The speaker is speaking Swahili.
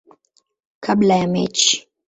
kabla ya mechi.